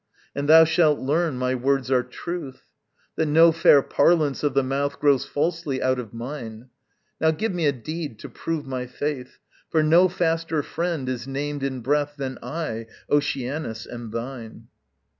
And thou shalt learn my words are truth, That no fair parlance of the mouth Grows falsely out of mine. Now give me a deed to prove my faith; For no faster friend is named in breath Than I, Oceanus, am thine.